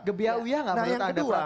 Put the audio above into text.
gebiau ya gak menurut anda